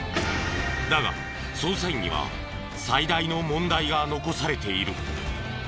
だが捜査員には最大の問題が残されている。